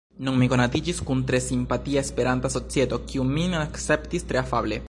Nun mi konatiĝis kun tre simpatia esperanta societo, kiu min akceptis tre afable.